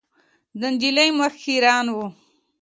د نجلۍ مخ خیرن و .